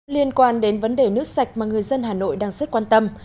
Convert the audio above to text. liên quan đến vấn đề nước sạch mà người dân hà nội đang rất quan tâm